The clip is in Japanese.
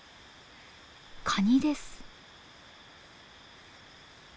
カニです。